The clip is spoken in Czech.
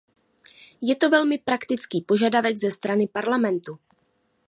Je to velmi praktický požadavek ze strany Parlamentu.